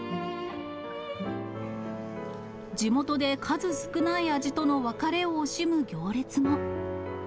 地元で数少ない味との別れを惜しむ行列も。